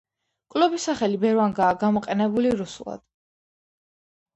კლუბის სახელი ბევრგანაა გამოყენებული რუსულად.